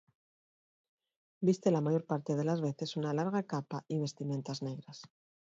Viste la mayor parte de las veces una larga capa y vestimentas negras.